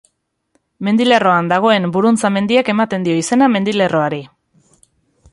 Mendilerroan dagoen Buruntza Mendiak ematen dio izena mendilerroari.